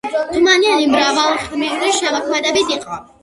თუმანიანი მრავალმხრივი შემოქმედი იყო.